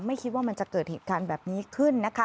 ไม่คิดว่ามันจะเกิดเหตุการณ์แบบนี้ขึ้นนะคะ